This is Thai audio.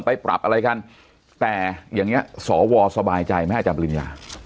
ไปปรับอะไรกันแต่อย่างนี้สวสบายใจไหมอาจารย์ปริญญา